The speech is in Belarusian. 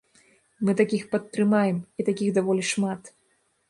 Мы такіх падтрымаем, і такіх даволі шмат.